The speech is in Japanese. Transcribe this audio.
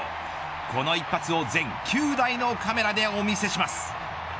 この一発を全９台のカメラでお見せします。